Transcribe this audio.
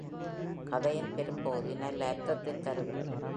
கதையின் பெரும்பகுதி நல்ல அர்த்தத்தைத் தருகிறது.